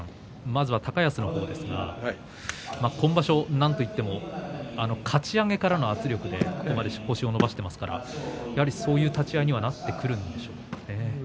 まずは高安の方ですが今場所、何といってもあのかち上げからの圧力でここまで星を伸ばしていますからやはり、そういう立ち合いにはそうですね。